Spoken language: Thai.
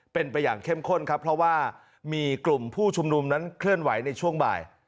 เป็นไปอย่างเข้มข้นครับเพราะว่ามีกลุ่มผู้ชุมนุมนั้นเคลื่อนไหวในช่วงบ่าย